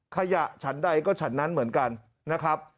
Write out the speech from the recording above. ขยะฉันใดก็ฉันนั้นเหมือนกันนะครับ